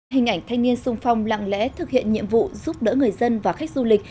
hình ảnh thanh niên sung phong lặng lẽ thực hiện nhiệm vụ giúp đỡ người dân và khách du lịch